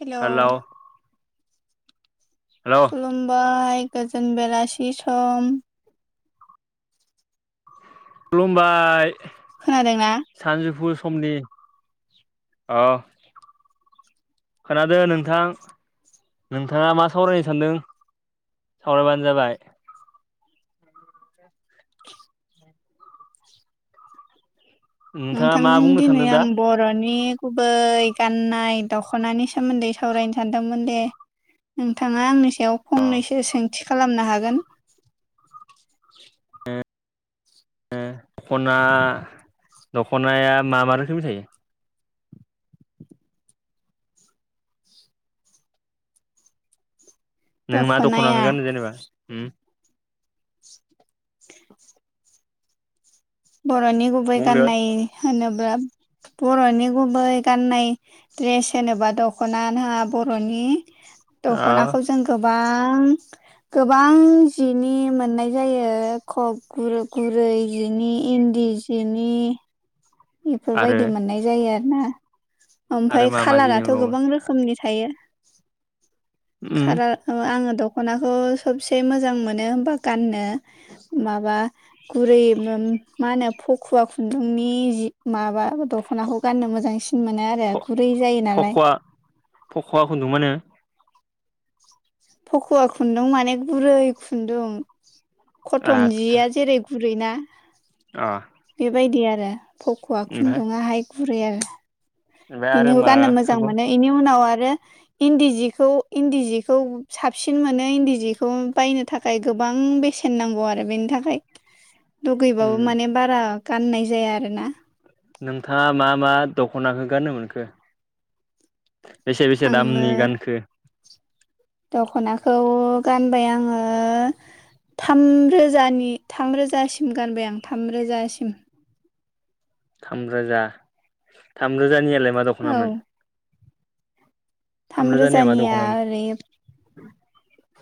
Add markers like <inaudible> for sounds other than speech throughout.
Hello hello खुलुमबायबाय गोजोन बेलासि सम। खुलुमबाय खोनादों ना? सानजौफु समनि अ खोनादों नोंथां नोंथाङा मा सावरायनो सानदों? सावरायबानो जाबाय। <inaudible> नोंथाङा मा नोंथांजों बुंनो दिनै सानदों दा आं ब बर'नि गुबै गाननाय दख'नानि सोमोन्दै सावरायनो सानदोंमोन दे। नोंथाङा आंनि सायाव अ खमनैसो सोंथि खालामनो हागोन? ए ए दख'ना दख'नाया मा मा रोखोमनि थायो? नों मा दख'नाया दखनाखो गानो जेनेबा हुम? <unintelligible> बर'नि गुबै बुंदो गाननाय होनोब्ला बर'नि गुबै गाननाय द्रेस होनोबा दखना न बर'नि ओ दख'नाखौ जों गोबां गोबां जिनि मोननाय जायो गुरै जिनि इन्दि जिनि आरो बेफोरबायदि मोननाय जायो आर ना। आरो ओमफ्राय मा मा जि खाालाराथ' दंबावो गोबां रोखोमनि थायो उम खालार ओ आङो दख'नाखौ सबसे मोजां मोनो होमबा गाननो माबा गुरै मा होनो फखुवा खुन्दुंनि जि माबा दख'नाखौ गाननो मोजांसिन मोनो आरो गुरै जायो नालाय। फख'आ खुन्दुं मोनो। फखुवा खुन्दुं माने गुरै खुन्दुं कटन आदसा जिया जेरै बुरैना? अ बेबायदि आरो फख'आ ओमफ्राय खुन्दुङाहाय गुरै आरो। ओमफ्राय आरो बिनिखौ गाननो मोजां माखौबाव मोनो बेनि उनाव आरो इन्दि जिखौ इन्दि जिखौ साबसिन मोनो इन्दि जिखौ बायनो था खाय गोबां बेसेन नांगौ आरो बेनि थाखाय। उम लुगैबाबो माने बारा गाननाय जाया आरोना। नोंथाङा मा मा दख'नाखौ गाननो मोनखो? बेसे बेसे आङो दामनि गानखो? दख'नाखौ गानबाय आङो थामरोजानि थामरोजासिम गानबाय आं थामरोजासिम। थामरोजा थामरोजानियालाय मा औ दख'नामोन? थाम थामरोजानिया मा रोजानिया दख'नामोन ओरै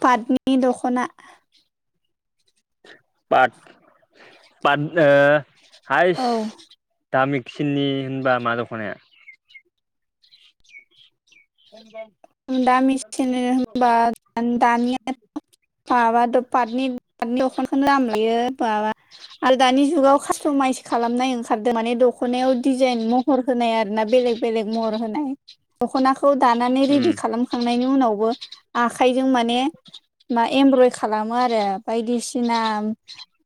पाटनि दख'ना। पाट पाट ओ औ हायस दामिसिननि होनबा मा दख'नाया? <unintelligible> दामिसिननि होनोब्ला दानिया माबा फावनि। <unintelligible> आरो दानि जुगाव कास्ट'माइस खालामनाय ओंखा खारदों माने दखनायाव दिजाइन महर होनाय आरो ना बेलेख बेलेख महर होनाय दखनाखौ खौ दानानै उम रेडि खालामखांनायनि उनावबो आखाइजों माने मा एमब्रय खालामो आरो बायदिसिना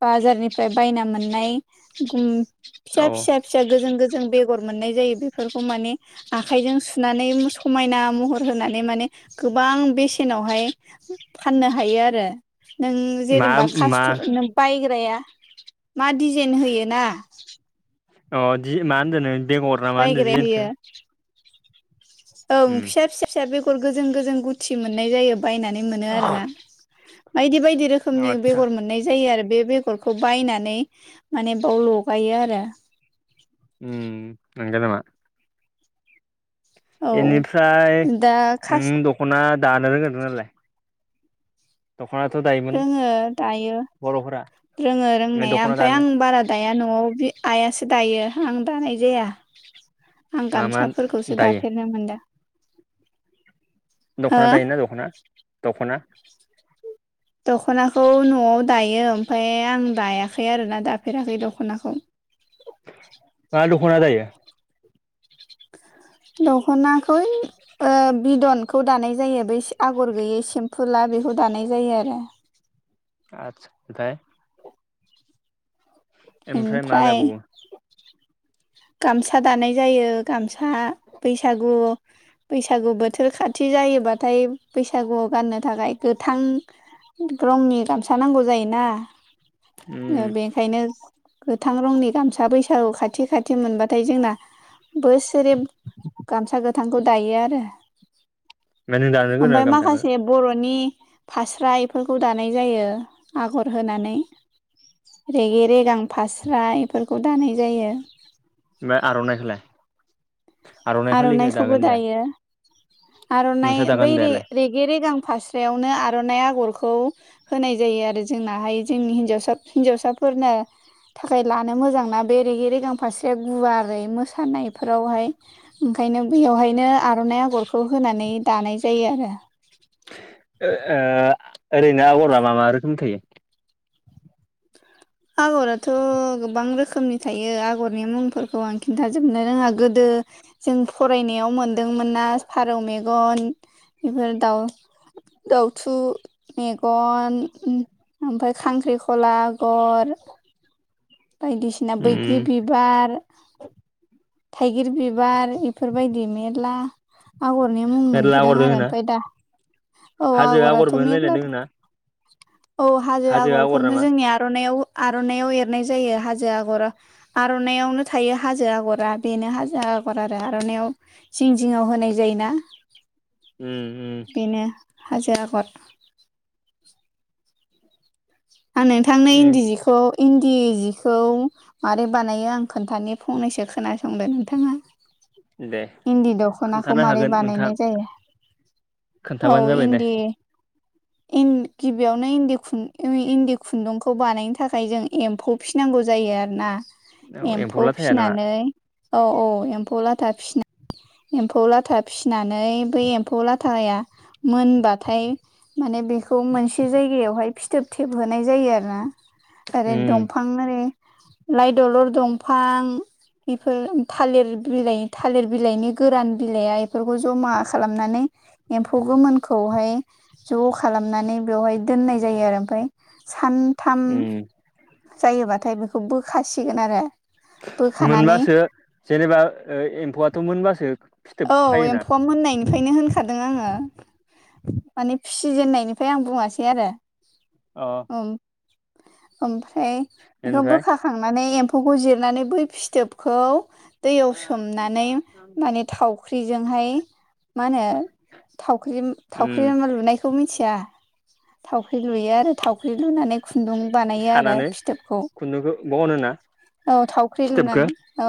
बाजारनिफ्राय बायना मोननाय फिसा औ फिसा फिसा गोजों गोजों बेगर मोननाय जायो बेफोरखौ माने आखायजों सुनानै समायना महर होनानै माने गोबां बेसेनावहाय फाननो हायो आरो। नों मा जेनेबा मा कास्ट नों बायग्राया मा डिजाइन होयो ना। अ दि मा होनदों नों? बेगर ना मा होनदो दिजाइनखो बायग्राया <unintelligible> ओं उम फिसा फिसा फिसा बेगर गोजों गोजों गुथि मोननाय जायो। बायनानै मोनो आरोना बायदि बायदि रोखोमनि आतसा बेगर मोननाय जायो आरो बे गरखौ बायनानै माने बेयाव लगायो आरो। ओम नंगौ नामा। औ बेनिफ्राय दा खास नों दख'ना दानो रोंगौना रोंङा नोंलाय? दखनाथ' दायो। रोङो दायो रोङो रोंनाया दख'ना ओमफ्राय दानो आं बारा दाया न'आव आइयासो दायो आं दानाय जाया आं मा मा गामसाफोरखौसो दायो दाफेरनो मोनदों दख'ना हो दायोना दख'ना दख'ना दख'नाखौ न'आव दायो ओमफ्राय आं दायाखै आरोना दाफेराखै दख'नाखौ मा दख'ना दायो दखनाखौ ओइ ओ बिदनखौ दानाय जायो बै आगर गैयै सेमफुला बेखौ दानाय जायो आरो। आत्सा ओमफ्राय ओमफ्राय मा दाबावो? गामसा दानाय जायो गामसा बैसागु बैसागु बोथोर खाथि जायोबाथाय बैसागुआव गाननो थाखाय गोथां रंनि गामसा नांगौ जायोना उम बेनिखायनो गोथां रंनि गामसा बैसागु खाथि खा थि मोनबाथाय जोंना बोसोरे गामसा गोथांखौ दायो आरो ओमफ्राय नों दानो गोरोङा ओमफ्राय गामसाखौ माखासे बर'नि फास्रा बेफोरखौ दानाय जायो आगर होनानै रेगे रेगां फास्रा बेफोरखौ दानाय जायो ओमफ्राय आर'नाइखौलाय आर'नाइ फालिखौ आर'नाइखौबो दागोन दाया दायो आर'नाइ नोंस्रा बैे दागोन रे दायालाय रे रेगे रेगां फास्रायावनो आर'नाइ आग'रखौ होनाय जायो आरो जोंनाहाय जोंनि हिन्जावसा हिन्जावसाफोरनो थाखाय लानो मोजांना बे रेगे रेगां फारसेया गुवारै मोसानायफोरावहाय ओंखायनो बेयावहायनो आर'नाइ आगरखौ होनानै दानाय जायो आरो ओ ओ ओरैनो आगरा मा मा रोखोम थायो आगराथ' गोबां रोखोमनि थायो आगरनि मुंफोरखौ आं खिन्थाजोबनो रोङा गोदो जों फरायनायाव मोनदोंमोन ना फारौ मेगन बेफोर दाउ दावथु मेगन ओमफ्राय खांख्रिखला आगर बायदिसिना बैग्रि उम बिबार थाइगिर बिबार बेफोरबायदि मेरला आगरनि मुं मेरला मोनबोदों आगर आरो दोङोना ओमफफ्राय दा औ हाजो आगराथ' आगरबो होनलायनाय मेरलादों दोङोना औ हाजो आगर आगरखौनो नामा जोंनि आर'नायाव आर'नायाव एरनाय जायो हाजो आग'राव आर'नायावनो थायो हाजो आग'रा बेनो हाजा आगर आरो आर'नायाव जिं जिङाव होनाय जायोना उम उम बेनो हाजो आगर आं नोंथांनो इन्दि उम जिखौ इन्दि जिखौ मारै बानायो आं खोन्थानो फंनैसो खोनासंदो नोंथाङा दे इन्दि दख'नाखौ खोन्थानो मारै हागोन नोंथां बानायनाय जायो? औ खोन्थाबानो जाबाय दे इन्दि इन गिबियावनो इन्दि खुन जों इन्दि खुन्दुंखौ बानायनो थाखाय जों एम्फौ फिनांगौ जायो आरो ना औ एम्फौ लाथाया नोंहा फिनानै औ औ एम्फौ लाथा फिनानै एम्फौ लाथा फिनानै बै एम्फौ लाथाया मोनबाथाय माने बेखौ मोनसे जायगायावहाय फिथोब थेबहोनाय जायो आरोना आरो उम दंफां बिफां आरो लाइ दलर दंफां बेफोर थालिर बिलाइ थालिर बिलाइनि गोरान बिलाइया बेफोरखौ जमा खालामनानै एम्फौ गोमोनखौहाय ज' खालामनानै बेवहाय दोननाय जायो आरो ओमफ्राय सानथाम उम जायोबाथाय बेखौ बोखासिगोन आरो बोखानानै मोनबासो जेनेबा ओ एम्फौआथ' मोनबासो फिथोब खायोना <unintelligible> फैनो होनखादों आङो माने फिसिजेननायनिफ्राय आं बुङासै आरो अ ओम ओमफ्राय बेखौ ओमफ्राय बोखा खांनानै एम्फौखौ जिरनानै बै फिथोबखौ दैयाव सोमनानै माने थावख्रिजोंहाय मा होनो थावख्रि उम थावख्रि लुनायखौ मिथिया थावख्रि लुयो आ थावख्रि लुनानै खुन्दुं बानायो आरो फिथोबखौ खुन्दुंखो बहनो‌ ना? औ थावख्रि लुनानै औ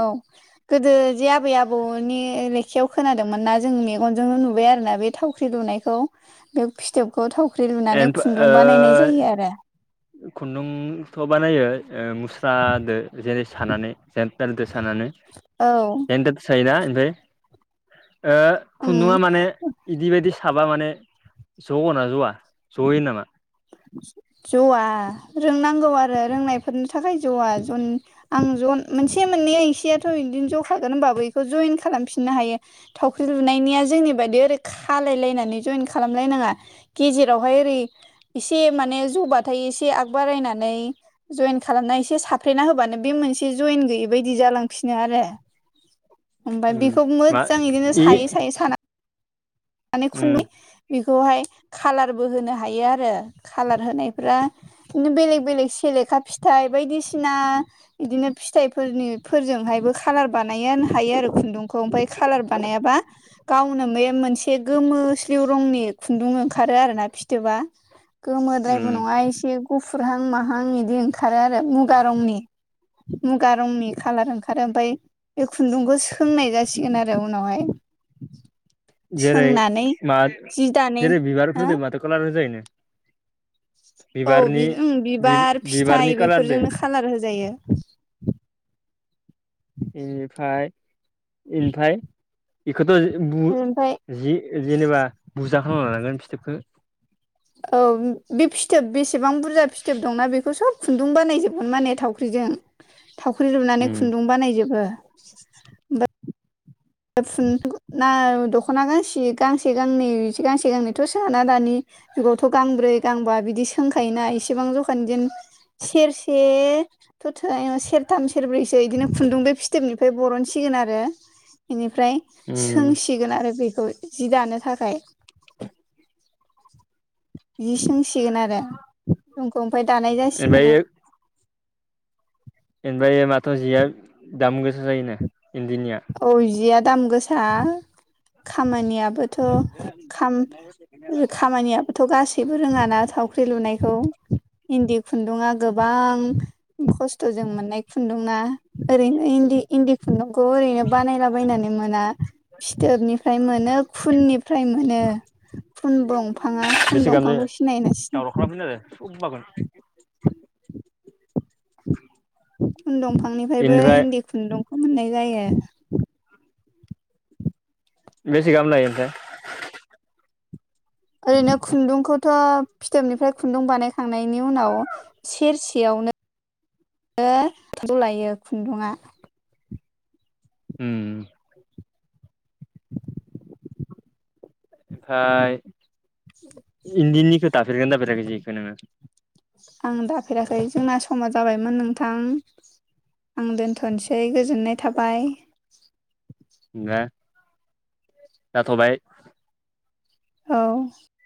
गोदो जे आबै आबौनि लेखायाव खोनादोंमोन ना जोंनियाव अनजोंनो नुबाय आरो ना बे थावख्रि लुनायखौ बे फिथोबखौ थावख्रि लुनानै एनफा खुन्दुं बानायनाय जायो आरो <inaudible> खुन्दुंथ' बानायो ओ मुस्रादो जेरै सानानै जेन औ <unintelligible> सायोना ओमफ्राय ओ उम खुन्दुङा माने इदि बायदि साबा माने जओना जआ? जयो नामा? ज'आ रोंनांगौ आरो रोंनायफोरनि थाखाय ज'आ जन आं ज' मोनसे मोननैया एसेयाथ' बिदिनो ज'खागोन होनबाबो बेखौ जयन खालामफिननो हायो। थावख्रि लुनायनिया जोंनि बायदि ओरै खालायलायनानै जयेन खालामलायनाङा गेजेरावहाय ओरै एसे माने जौबाथाय एसे आगबारायनानै जयेन खालामना एसे साफ्रेना होबानो बे मोनसे जयेन गैयै बायदि जालांफिनो आरो ओमफ्राय उम बेखौ मा मोजां बिदिनो इ सायै सायै माने उम खुन्दुं बेखौहाय कालारबो होनो हायो आरो कालार होनायफ्रा किन्तु बेलेग बेलेग सेलेखा फिथाइ बायदिसिना बिदिनो फिथाइफोरनि फोरजोंहायबो कालार बनायनो आरो खुुनदुंखै ओमफाय कालार बानायाबा गावनो बै मोनसे एसे गोमोस्लिउ रंनि खुन्दुं ओंखारो आरोना फिथोबा उम गोमोद्रायबो नङा एसे गुफुरहां माहां बिदि ओंखारो आरो मुगा रंनि मुगा रंनि खालार ओंखारो ओमफाय बे खुन्दुंखौ सोंनाय जासिगोन आरो उनावहाय जेरै सोंनानै मा जि दानो जेरै हो बिबारफोरजों माथो कालार होजायोनो? औ बि बिबारनि ओम बि बिबार, बिबारनि फिथाइ कालारदो बेफोरजोंनो कालार होजायो। बेनिफाय इनिफाय बेखौथ' बु ओमफ्राय जि जेनेबा बुरजा खालामना लानांगोन फिथोबखो औ बे फिथोब बेसेबां बुरजा फिथोब दंना बेखौ सब खुन्दुं बानायजोबगमोन माने थावख्रिजों। थावख्रि लुनानै खुन्दुं बानायजोबो। फुन ना दख'ना गांसे गांसे गांनै गांसे गांनैथ' सोनङाना दानि जुगावथ' गांब्रै गांबा बिदि सोंखायोना इसेबां जखानि जेन सेरसे थ थोनाय नङा सेरथाम सेरब्रैसो बिदिनो खुन्दुं बे फिथोबनिफ्राय बरनसिगोन आरो। बेनिफ्राय ओमफ्राय सोंसिगोन आरो बेखौ जि दानो थाखाय जि सोंसिगोन आरो जुमखौ ओमफ्राय दानाय जासिगोन आरो। ओफ्राय माथ' जिया दाम गोसा जायोनो इन्दिनिया? औ जिया दाम गोसा खामानियाबो थ खाम खामानियाबोथ' गासैबो <unintelligible> रोङाना थावख्रि लुनायखौ इन्दि खुन्दुङा गोबां खस्थ'जों मोननाय खुन्दुंना ओरैनो इन्दि इन्दि खुन्दुंखौ खौ ओरैनो बानायलाबायनानै मोना फिथोबनिफ्राय मोनो खुननिफ्राय मोनो खुन दंफाङा खुन बेसे गाहाम जायो दंफांखौ सिनायो ना सिनाया? <unintelligible> <unintelligible> खुन दफांनिफ्रायबो बेनिफ्राय इन्दि खुन्दुंखौ मोननाय जायो बेसे गाहाम लायो ओमफ्राय? ओरैनो खुन्दुंखौथ' फिथोबनिफ्राय खुन्दुं बानायखांनायनि उनाव सेरसेयावनो <inaudible> लायो खुन्दुङा। <inaudible> ओमफाय इदिनिखौ दाफेरगोना दाफेराखै जिखौ नोङो? आं दाफेराखै जोंना समा जाबायमोन नोंथां। आं दोनथ'नोसै गोजोननाय थाबाय। होमब्ला जाथ'बाय। औ।